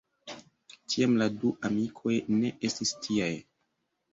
Tiam la du amikoj ne estis tiaj.